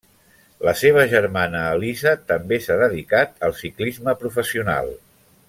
La seva germana Elisa també s'ha dedicat al ciclisme professional.